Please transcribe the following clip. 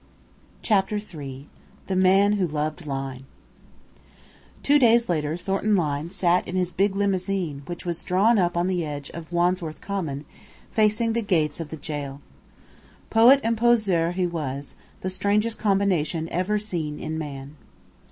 CHAPTER III THE MAN WHO LOVED LYNE Two days later Thornton Lyne sat in his big limousine which was drawn up on the edge of Wandsworth Common, facing the gates of the gaol. Poet and poseur he was, the strangest combination ever seen in man.